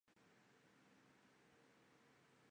到了车站